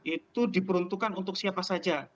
itu diperuntukkan untuk siapa saja